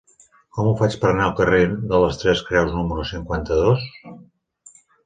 Com ho faig per anar al carrer de les Tres Creus número cinquanta-dos?